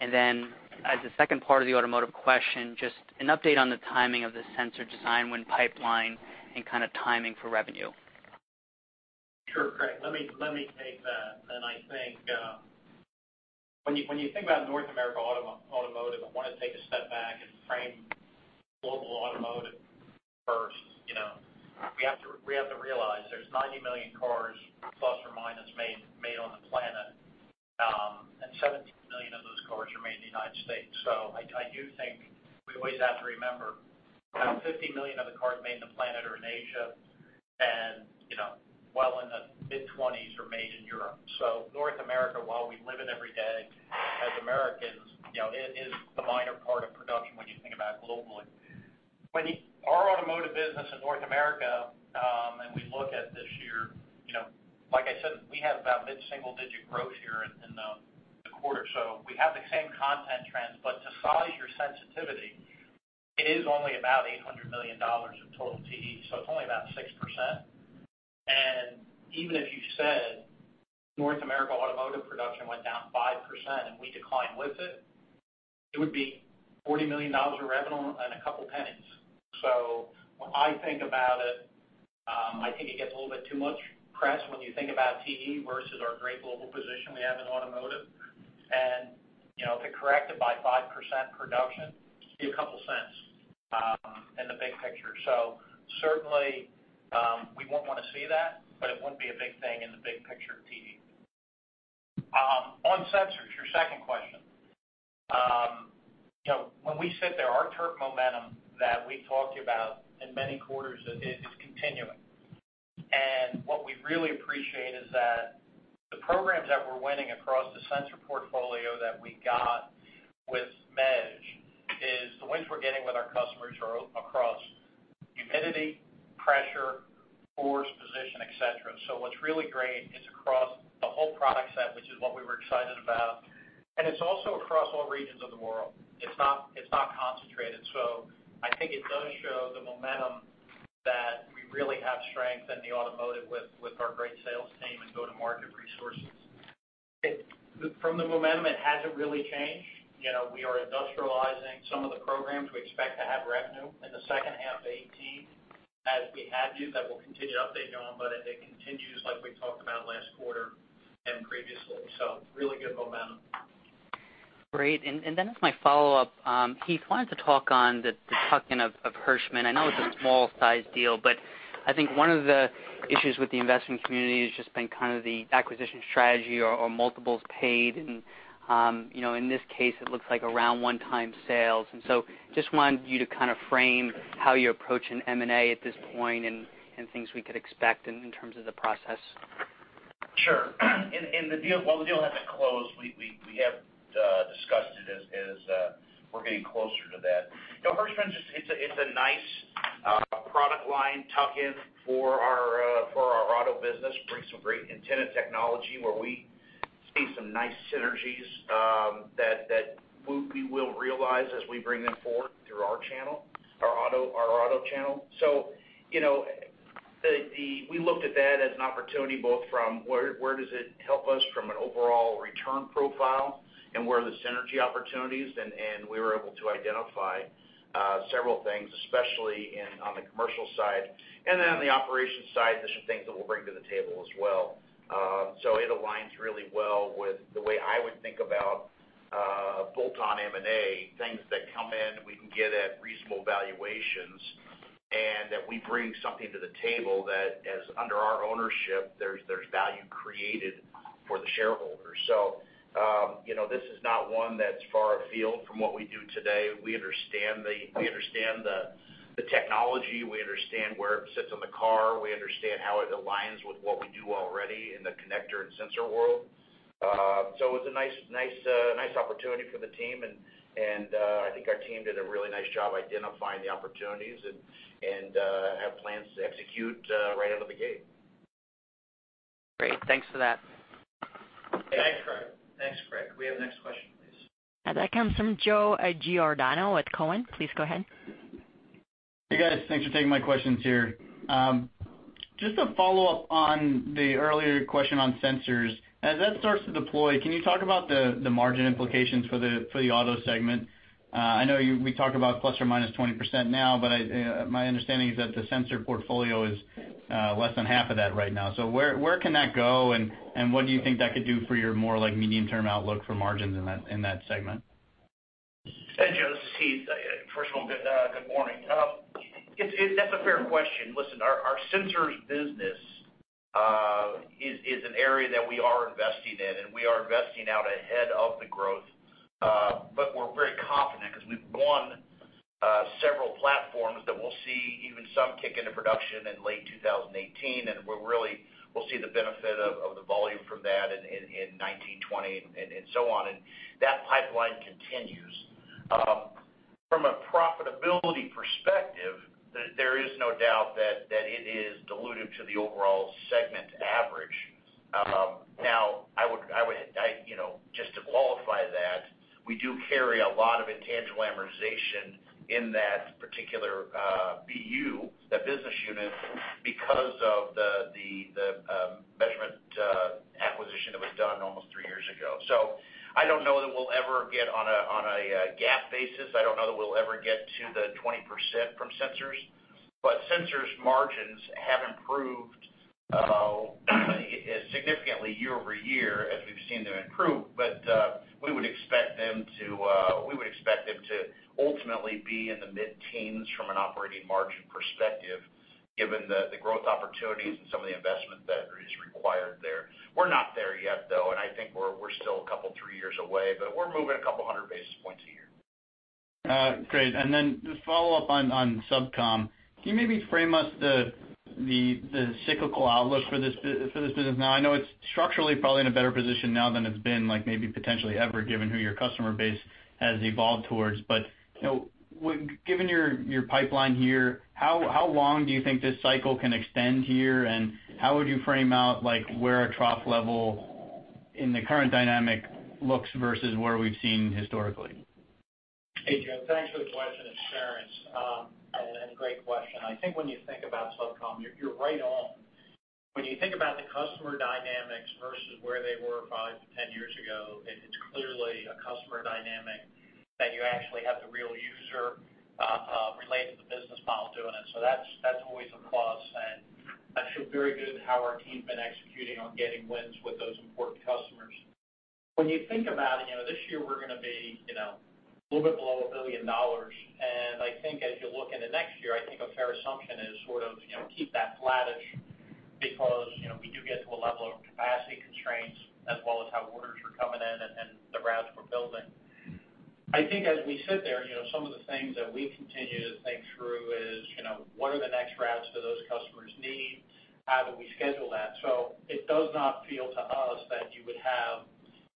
And then as a second part of the automotive question, just an update on the timing of the sensor design, when pipelined, and kind of timing for revenue. Sure, Craig. Let me take that. And I think when you think about North America automotive, I want to take a step back and frame global automotive first. You know, we have to realize there's 90 million cars, ±, made on the planet, and 17 million of those cars are made in the United States. So I do think we always have to remember about 50 million of the cars made on the planet are in Asia, and, you know, well in the mid-20s are made in Europe. So North America, while we live it every day, as Americans, you know, it is the minor part of production when you think about it globally. When our automotive business in North America and we look at this year, you know, like I said, we have about mid-single-digit growth here in the quarter. So we have the same content trends, but to size your sensitivity, it is only about $800 million of total TE, so it's only about 6%. And even if you said North America automotive production went down 5% and we declined with it, it would be $40 million of revenue and a couple pennies. So when I think about it, I think it gets a little bit too much press when you think about TE versus our great global position we have in automotive. And, you know, to correct it by 5% production, be a couple cents in the big picture. So certainly, we won't want to see that, but it wouldn't be a big thing in the big picture of TE. On sensors, your second question. You know, when we sit there, our turf momentum that we talked about in many quarters is, is continuing. And what we really appreciate is that the programs that we're winning across the sensor portfolio that we got with Measurement, is the wins we're getting with our customers are across humidity, pressure, force, position, et cetera. So what's really great, it's across the whole product set, which is what we were excited about, and it's also across all regions of the world. It's not, it's not concentrated. So I think it does show the momentum that we really have strength in the automotive with, with our great sales team and go-to-market resources. It. From the momentum, it hasn't really changed. You know, we are industrializing some of the programs. We expect to have revenue in the second half of 2018, as we had you, that we'll continue to update you on, but it continues like we talked about last quarter and previously. So really good momentum. Great. And then as my follow-up, Heath, wanted to talk on the tuck-in of Hirschmann. I know it's a small-sized deal, but I think one of the issues with the investment community has just been kind of the acquisition strategy or multiples paid and, you know, in this case, it looks like around 1x sales. And so just wanted you to kind of frame how you're approaching M&A at this point and things we could expect in terms of the process. Sure. Well, the deal hasn't closed. We have discussed it as we're getting closer to that. You know, Hirschmann's just a nice product line tuck-in for our auto business. Brings some great antenna technology where we see some nice synergies that we will realize as we bring them forward through our channel, our auto channel. So, you know, we looked at that as an opportunity, both from where does it help us from an overall return profile and where are the synergy opportunities, and we were able to identify several things, especially on the commercial side. And then on the operations side, there's some things that we'll bring to the table as well. So, it aligns really well with the way I would think about bolt-on M&A, things that come in we can get at reasonable valuations, and that we bring something to the table that, as under our ownership, there's value created for the shareholders. So, you know, this is not one that's far afield from what we do today. We understand the technology, we understand where it sits on the car, we understand how it aligns with what we do already in the connector and sensor world. So it was a nice opportunity for the team, and I think our team did a really nice job identifying the opportunities and have plans to execute right out of the gate. Great. Thanks for that. Thanks, Craig. Thanks, Craig. We have the next question, please. That comes from Joe Giordano with Cowen. Please go ahead. Hey, guys, thanks for taking my questions here. Just a follow-up on the earlier question on sensors. As that starts to deploy, can you talk about the margin implications for the auto segment? I know you- we talked about ±20% now, but my understanding is that the sensor portfolio is less than half of that right now. So where can that go, and what do you think that could do for your more like medium-term outlook for margins in that segment? Hey, Joe, this is Heath. First of all, good morning. It's a fair question. Listen, our sensors business is an area that we are investing in, and we are investing out ahead of the growth. But we're very confident because we've won platforms that we'll see even some kick into production in late 2018, and we're really, we'll see the benefit of the volume from that in 2019, 2020, and so on, and that pipeline continues. From a profitability perspective, there is no doubt that it is dilutive to the overall segment average. Now, I would, you know, just to qualify that, we do carry a lot of intangible amortization in that particular BU, the business unit, because of the Measurement acquisition that was done almost three years ago. So I don't know that we'll ever get on a GAAP basis, I don't know that we'll ever get to the 20% from Sensors, but Sensors margins have improved significantly year-over-year, as we've seen them improve. But we would expect them to ultimately be in the mid-teens from an operating margin perspective, given the growth opportunities and some of the investment that is required there. We're not there yet, though, and I think we're still a couple, three years away, but we're moving a couple hundred basis points a year. Great. And then just follow up on SubCom. Can you maybe frame us the cyclical outlook for this business? Now, I know it's structurally probably in a better position now than it's been, like, maybe potentially ever, given who your customer base has evolved towards. But, you know, given your pipeline here, how long do you think this cycle can extend here? And how would you frame out, like, where a trough level in the current dynamic looks versus where we've seen historically? Hey, Joe, thanks for the question, and Terrence, and a great question. I think when you think about SubCom, you're, you're right on. When you think about the customer dynamics versus where they were probably 10 years ago, it's clearly a customer dynamic that you actually have the real user related to the business model doing it. So that's, that's always a plus, and I feel very good how our team's been executing on getting wins with those important customers. When you think about it, you know, this year we're gonna be, you know, a little bit below $1 billion, and I think as you look into next year, I think a fair assumption is sort of, you know, keep that flattish because, you know, we do get to a level of capacity constraints, as well as how orders are coming in and, and the routes we're building. I think as we sit there, you know, some of the things that we continue to think through is, you know, what are the next routes do those customers need? How do we schedule that? So it does not feel to us that you would have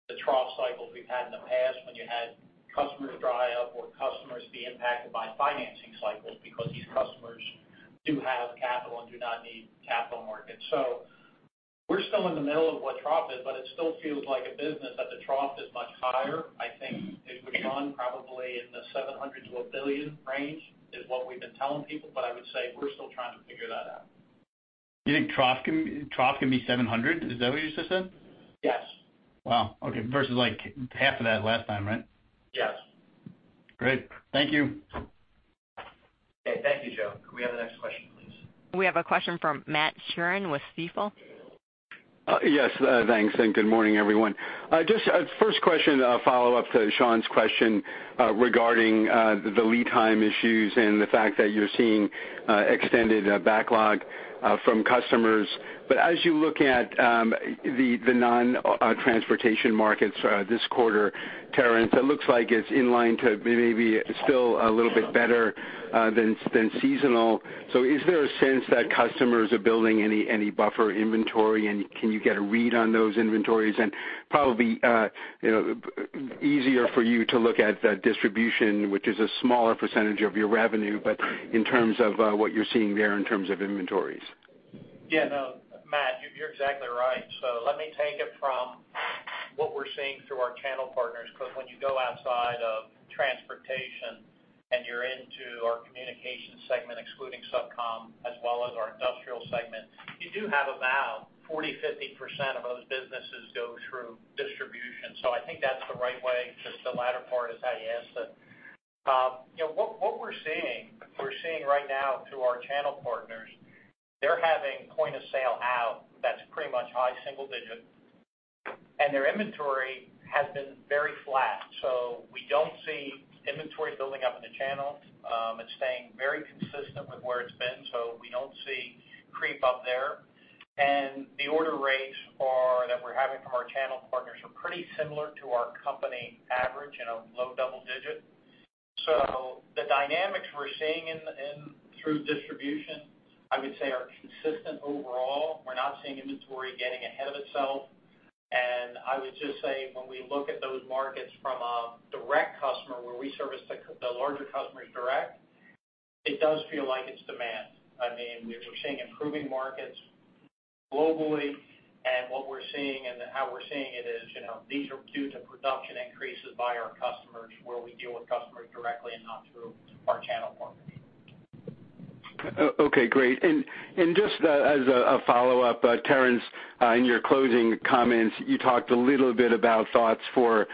the trough cycles we've had in the past, when you had customers dry up or customers be impacted by financing cycles, because these customers do have capital and do not need capital markets. We're still in the middle of what trough is, but it still feels like a business that the trough is much higher. I think it would run probably in the $700 million-$1 billion range, is what we've been telling people, but I would say we're still trying to figure that out. You think trough can, trough can be 700? Is that what you just said? Yes. Wow, okay. Versus like, half of that last time, right? Yes. Great. Thank you. Okay, thank you, Joe. Can we have the next question, please? We have a question from Matt Sheerin with Stifel. Yes, thanks, and good morning, everyone. Just a first question, a follow-up to Shawn's question, regarding the lead time issues and the fact that you're seeing extended backlog from customers. But as you look at the non-transportation markets this quarter, Terrence, it looks like it's in line to maybe still a little bit better than seasonal. So is there a sense that customers are building any buffer inventory? And can you get a read on those inventories? And probably, you know, easier for you to look at the distribution, which is a smaller percentage of your revenue, but in terms of what you're seeing there in terms of inventories. Yeah, no, Matt, you're exactly right. So let me take it from what we're seeing through our channel partners, because when you go outside of transportation and you're into our communication segment, excluding SubCom, as well as our industrial segment, you do have about 40%-50% of those businesses go through distribution. So I think that's the right way, because the latter part is how you ask that. You know, what, what we're seeing, we're seeing right now through our channel partners, they're having point of sale out that's pretty much high single digit, and their inventory has been very flat. So we don't see inventory building up in the channel. It's staying very consistent with where it's been, so we don't see creep up there. The order rates that we're having from our channel partners are pretty similar to our company average, you know, low double digit. So the dynamics we're seeing in, in through distribution, I would say, are consistent overall. We're not seeing inventory getting ahead of itself. I would just say, when we look at those markets from a direct customer, where we service the the larger customers direct, it does feel like it's demand. I mean, we're seeing improving markets globally, and what we're seeing and how we're seeing it is, you know, these are due to production increases by our customers, where we deal with customers directly and not through our channel partners. Okay, great. And just as a follow-up, Terrence, in your closing comments, you talked a little bit about thoughts for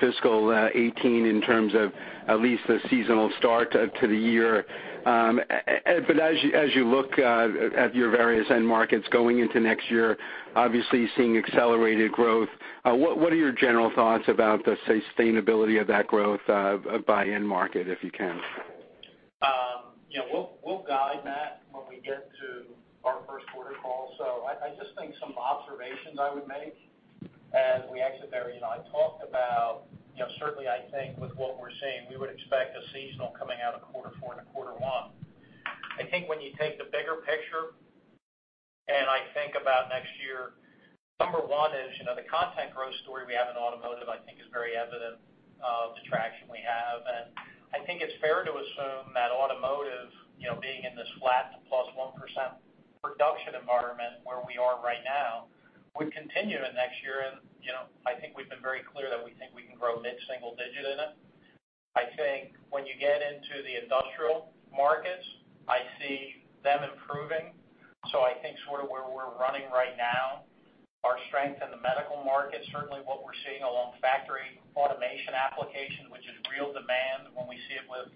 fiscal 2018 in terms of at least the seasonal start to the year. But as you look at your various end markets going into next year, obviously seeing accelerated growth, what are your general thoughts about the sustainability of that growth by end market, if you can? You know, we'll guide that when we get to our first quarter call. So I just think some observations I would make as we exit there. You know, I talked about, you know, certainly, I think with what we're seeing, we would expect a seasonal coming out of quarter four into quarter one. I think when you take the bigger picture, and I think about next year, number one is, you know, the content growth story we have in automotive, I think is very evident of the traction we have. And I think it's fair to assume that automotive, you know, being in this flat to +1% production environment where we are right now, would continue into next year. And, you know, I think we've been very clear that we think we can grow mid-single digit in it. I think when you get into the industrial markets, I see them improving. So I think sort of where we're running right now, our strength in the medical market, certainly what we're seeing along factory automation application, which is real demand, when we see it with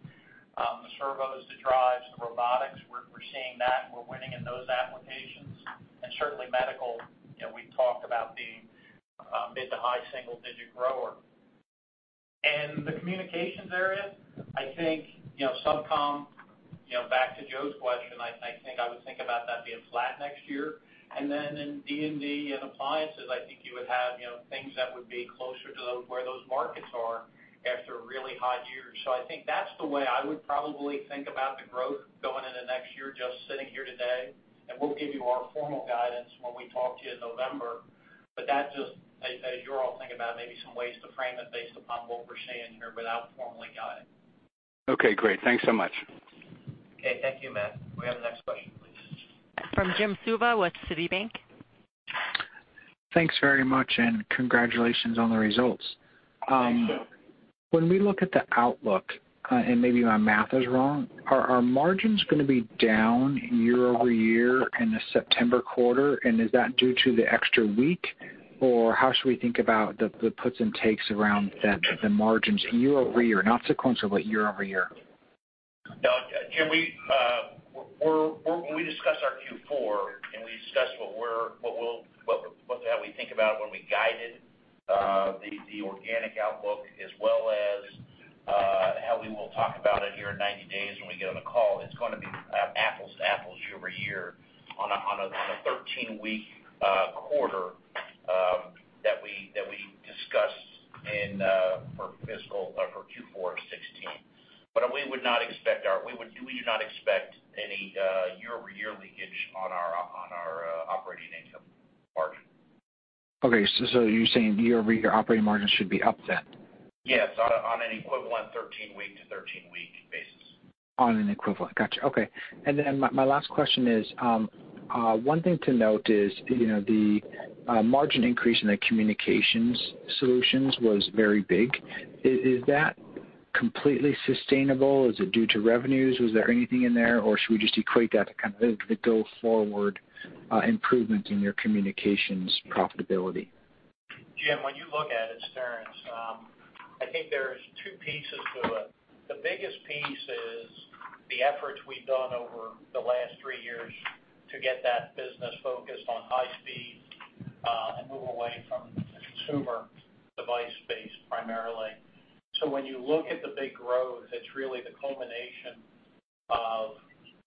the servos, the drives, the robotics, we're, we're seeing that, and we're winning in those applications. And certainly medical, you know, we've talked about being a mid to high single digit grower. In the communications area, I think, you know, SubCom, you know, back to Joe's question, I, I think I would think about that being flat next year. And then in D&D and appliances, I think you would have, you know, things that would be closer to those, where those markets are after a really hot year. So I think that's the way I would probably think about the growth going into next year, just sitting here today, and we'll give you our formal guidance when we talk to you in November. But that just, as you're all thinking about, maybe some ways to frame it based upon what we're seeing here without formally guiding. Okay, great. Thanks so much. Okay, thank you, Matt. Can we have the next question, please? From Jim Suva with Citibank. Thanks very much, and congratulations on the results. Thanks, Jim. When we look at the outlook, and maybe my math is wrong, are margins gonna be down year-over-year in the September quarter? And is that due to the extra week, or how should we think about the puts and takes around the margins year-over-year? Not sequentially, year-over-year. No, Jim, we're—when we discuss our Q4, and we discuss what we'll, how we think about it when we guided, the organic outlook, as well as, how we will talk about it here in 90 days when we get on the call, it's gonna be apples to apples year-over-year on a 13-week quarter that we discuss in for fiscal Q4 of 2016. But we would not expect our—we would not expect any year-over-year leakage on our operating income margin. Okay, so you're saying year-over-year, operating margin should be up then? Yes, on an equivalent thirteen-week to thirteen-week basis. On an equivalent. Gotcha. Okay. And then my last question is, one thing to note is, you know, the margin increase in the communications solutions was very big. Is that completely sustainable? Is it due to revenues? Was there anything in there? Or should we just equate that to kind of the go forward improvement in your communications profitability? Jim, when you look at it, Terrence, I think there's two pieces to it. The biggest piece is the efforts we've done over the last three years to get that business focused on high speed, and move away from the consumer device space, primarily. So when you look at the big growth, it's really the culmination of,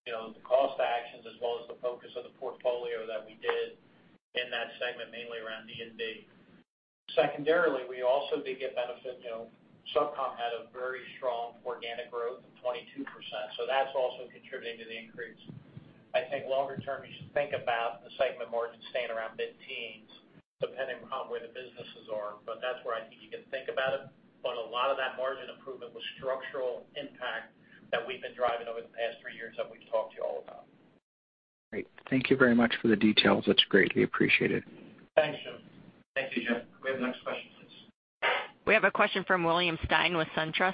you know, the cost actions as well as the focus of the portfolio that we did in that segment, mainly around D&D. Secondarily, we also did get benefit, you know, SubCom had a very strong organic growth of 22%, so that's also contributing to the increase. I think longer term, you should think about the segment margin staying around mid-teens, depending upon where the businesses are. But that's where I think you can think about it, but a lot of that margin improvement was structural impact that we've been driving over the past three years that we've talked to you all about. Great. Thank you very much for the details. That's great. We appreciate it. Thanks, Jim. Thank you, Jim. Can we have the next question, please? We have a question from Will Stein with SunTrust.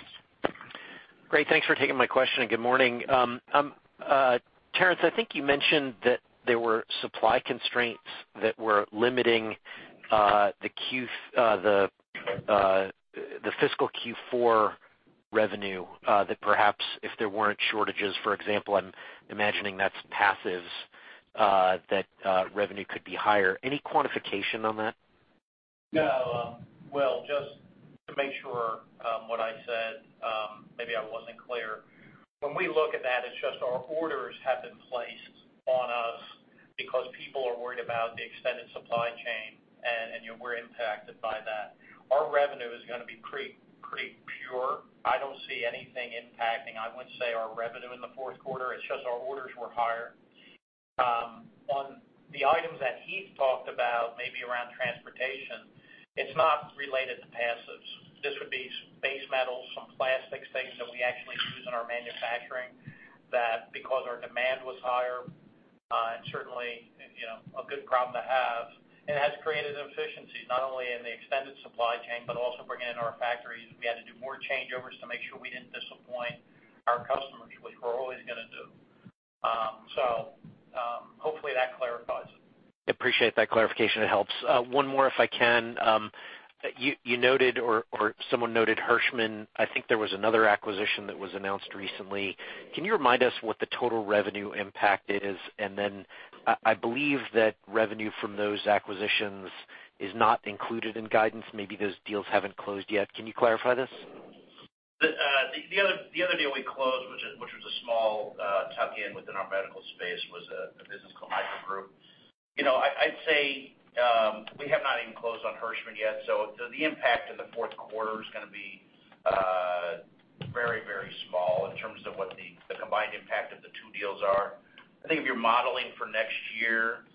Great. Thanks for taking my question, and good morning. Terrence, I think you mentioned that there were supply constraints that were limiting the fiscal Q4 revenue, that perhaps if there weren't shortages, for example, I'm imagining that's passives, revenue could be higher. Any quantification on that? No, Will, just to make sure, what I said, maybe I wasn't clear. When we look at that, it's just our orders have been placed on us because people are worried about the extended supply chain, and, and, you know, we're impacted by that. Our revenue is gonna be pretty, pretty pure. I don't see anything impacting, I would say, our revenue in the fourth quarter. It's just our orders were higher. On the items that Heath talked about, maybe around transportation, it's not related to passives. This would be base metals, some plastics, things that we actually use in our manufacturing, that because our demand was higher, and certainly, you know, a good problem to have, it has created inefficiencies, not only in the extended supply chain, but also bringing in our factories. We had to do more changeovers to make sure we didn't disappoint our customers, which we're always gonna do. Hopefully, that clarifies. Appreciate that clarification. It helps. One more, if I can. You noted or someone noted Hirschmann. I think there was another acquisition that was announced recently. Can you remind us what the total revenue impact is? And then I believe that revenue from those acquisitions is not included in guidance. Maybe those deals haven't closed yet. Can you clarify this?... The other deal we closed, which was a small tuck-in within our medical space, was a business called MicroGroup. You know, I'd say, we have not even closed on Hirschmann yet, so the impact in the fourth quarter is gonna be very small in terms of what the combined impact of the two deals is. I think if you're modeling for next year,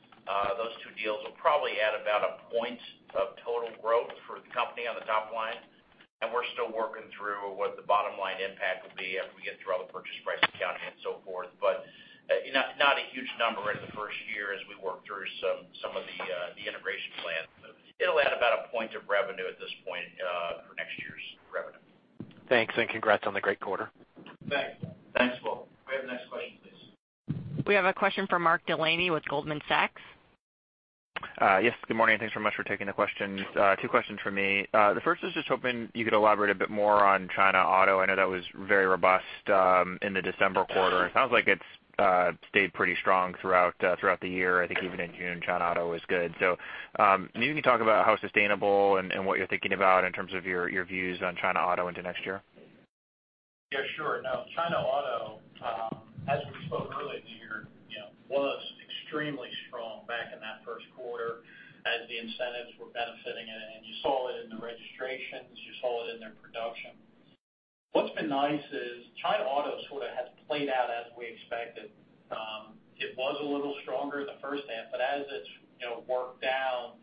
those two deals will probably add about a point of total growth for the company on the top line, and we're still working through what the bottom line impact will be after we get through all the purchase price accounting and so forth. But you know, not a huge number in the first year as we work through some of the integration plans. It'll add about a point of revenue at this point, for next year's revenue. Thanks, and congrats on the great quarter. Thanks. Thanks, Will. Can we have the next question, please? We have a question from Mark Delaney with Goldman Sachs. Yes, good morning, and thanks very much for taking the questions. Two questions from me. The first is just hoping you could elaborate a bit more on China Auto. I know that was very robust in the December quarter. It sounds like it's stayed pretty strong throughout the year. I think even in June, China Auto was good. So, can you talk about how sustainable and what you're thinking about in terms of your views on China Auto into next year? Yeah, sure. Now, China Auto, as we spoke earlier in the year, you know, was extremely strong back in that first quarter as the incentives were benefiting, and you saw it in the registrations, you saw it in their production. What's been nice is China Auto sort of has played out as we expected. It was a little stronger in the first half, but as it's, you know, worked down,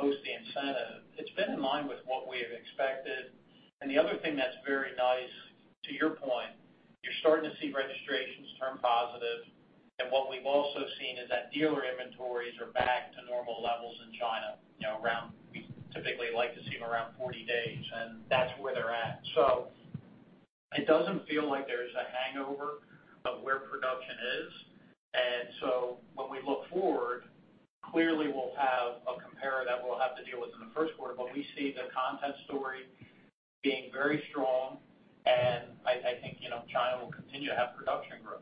post the incentive, it's been in line with what we had expected. And the other thing that's very nice, to your point, you're starting to see registrations turn positive. And what we've also seen is that dealer inventories are back to normal levels in China, you know, around -- we typically like to see them around 40 days, and that's where they're at. So it doesn't feel like there's a hangover of where production is. So when we look forward, clearly we'll have a comp year that we'll have to deal with in the first quarter, but we see the content story being very strong, and I think, you know, China will continue to have production growth.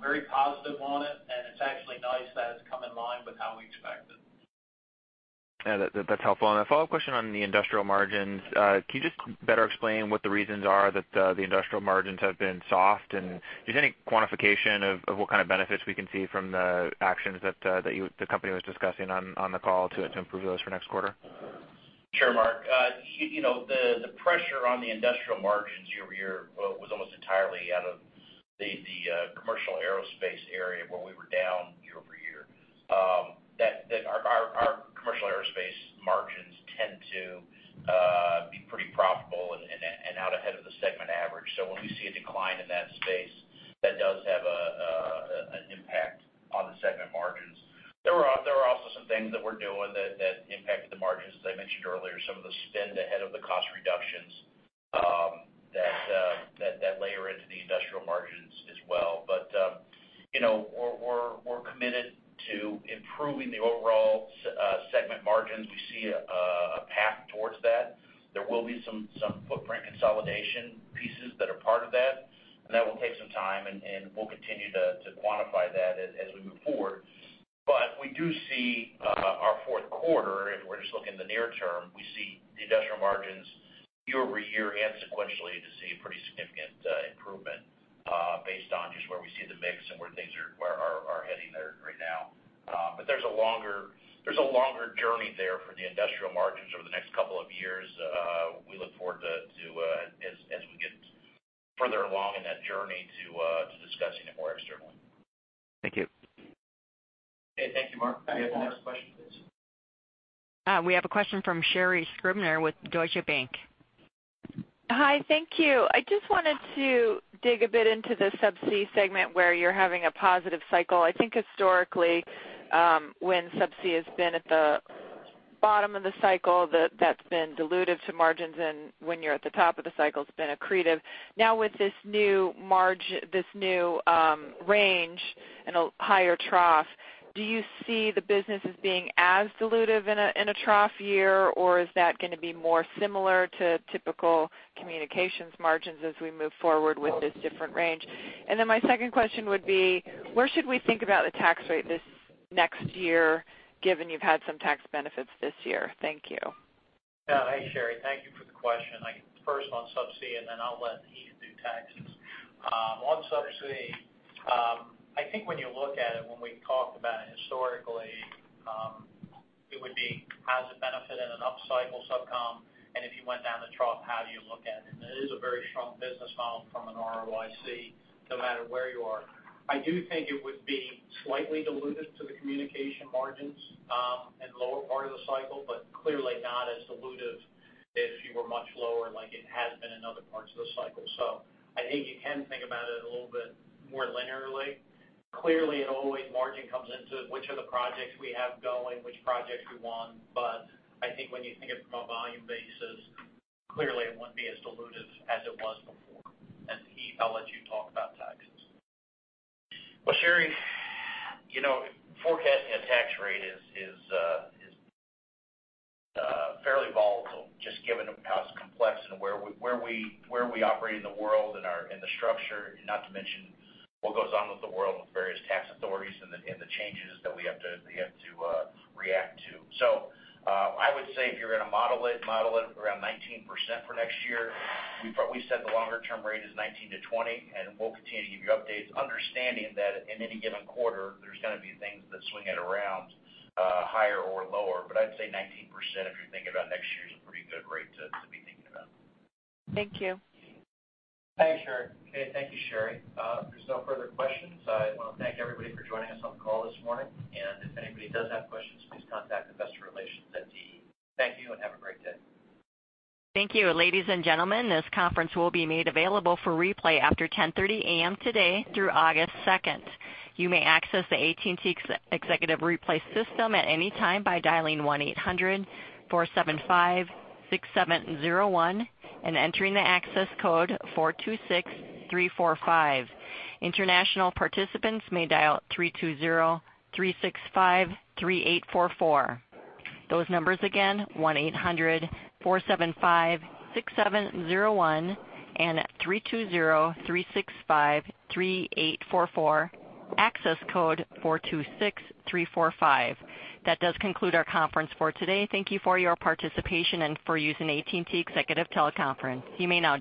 Very positive on it, and it's actually nice that it's come in line with how we expected. Yeah, that's helpful. A follow-up question on the industrial margins. Can you just better explain what the reasons are that the industrial margins have been soft? And is there any quantification of what kind of benefits we can see from the actions that you, the company was discussing on the call to improve those for next quarter? Sure, Mark. You know, the pressure on the industrial margins year over year was almost entirely out of the commercial aerospace area, where we were down year over year. That our commercial aerospace margins tend to be pretty profitable and out ahead of the segment average. So when we see a decline in that space, that does have an impact on the segment margins. There were also some things that we're doing that impacted the margins, as I mentioned earlier, some of the spend ahead of the cost reductions, that layer into the industrial margins as well. But you know, we're committed to improving the overall segment margins. We see a path towards that. There will be some footprint consolidation pieces that are part of that, and that will take some time, and we'll continue to quantify that as we move forward. But we do see our fourth quarter, and we're just looking in the near term, we see the industrial margins year over year and sequentially to see a pretty significant improvement, based on just where we see the mix and where things are heading there right now. But there's a longer journey there for the industrial margins over the next couple of years. We look forward to, as we get further along in that journey, to discussing it more externally. Thank you. Okay, thank you, Mark. Can we have the next question, please? We have a question from Sherri Scribner with Deutsche Bank. Hi, thank you. I just wanted to dig a bit into the Subsea segment, where you're having a positive cycle. I think historically, when Subsea has been at the bottom of the cycle, that's been dilutive to margins, and when you're at the top of the cycle, it's been accretive. Now, with this new range and a higher trough, do you see the business as being as dilutive in a trough year, or is that gonna be more similar to typical communications margins as we move forward with this different range? And then my second question would be: Where should we think about the tax rate this next year, given you've had some tax benefits this year? Thank you. Yeah. Hey, Sherri. Thank you for the question. I can first on Subsea, and then I'll let Heath do taxes. On Subsea, I think when you look at it, when we talked about it historically, it would be, how does it benefit in an upcycle subcom? And if you went down the trough, how do you look at it? And it is a very strong business model from an ROIC, no matter where you are. I do think it would be slightly dilutive to the communication margins, in the lower part of the cycle, but clearly not as dilutive if you were much lower, like it has been in other parts of the cycle. So I think you can think about it a little bit more linearly. Clearly, it always, margin comes into which of the projects we have going, which projects we won, but I think when you think of it from a volume basis, clearly it wouldn't be as dilutive as it was before. And Heath, I'll let you talk about taxes. Well, Sherri, you know, forecasting a tax rate is, is, fairly volatile, just given how it's complex and where we, where we, where we operate in the world and our, and the structure, not to mention what goes on with the world with various tax authorities and the, and the changes that we have to, we have to, react to. So, I would say if you're gonna model it, model it around 19% for next year. We said the longer-term rate is 19%-20%, and we'll continue to give you updates, understanding that in any given quarter, there's gonna be things that swing it around, higher or lower. But I'd say 19%, if you're thinking about next year, is a pretty good rate to, to be thinking about. Thank you. Thanks, Sherri. Okay, thank you, Sherri. If there's no further questions, I want to thank everybody for joining us on the call this morning. And if anybody does have questions, please contact Investor Relations at TE. Thank you, and have a great day. Thank you. Ladies and gentlemen, this conference will be made available for replay after 10:30 A.M. today through August second. You may access the AT&T Executive replay system at any time by dialing 1-800-475-6701 and entering the access code 426345. International participants may dial 320-365-3844. Those numbers again, 1-800-475-6701 and 320-365-3844, access code 426345. That does conclude our conference for today. Thank you for your participation and for using AT&T Executive Teleconference. You may now disconnect.